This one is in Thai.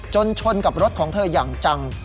จนชนกับรถของเธอยังจัง